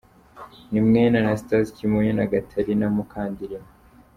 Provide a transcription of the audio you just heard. Ni mwene Anastasi Kimonyo na Gatarina Mukandilima.